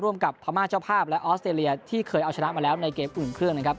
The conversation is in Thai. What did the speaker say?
กับพม่าเจ้าภาพและออสเตรเลียที่เคยเอาชนะมาแล้วในเกมอุ่นเครื่องนะครับ